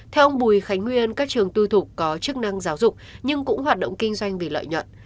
theo ông bùi khánh nguyên các trường tư thục có chức năng giáo dục nhưng cũng hoạt động kinh doanh vì lợi nhuận